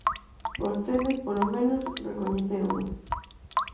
Vostede, polo menos, recoñeceuno.